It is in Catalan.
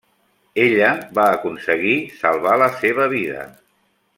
Ella va aconseguir salvar la seva vida.